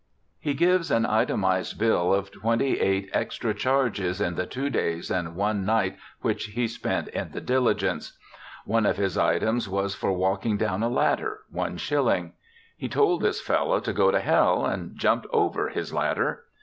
He gives an itemized bill of twenty eight extra charges in the two days and one night which he spent in the diUgence. One of his items was 6 BIOGRAPHICAL ESSAYS for walking down a ladder, one shilling. He told this fellow to go to hell, and jumped over his ladder.